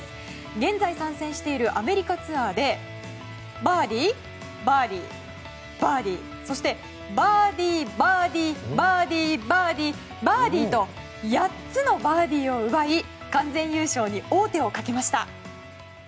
現在、参戦しているアメリカツアーでバーディー、バーディーバーディーそして、バーディー、バーディーバーディー、バーディーと８つのバーディーを奪い完全優勝に王手をかけました。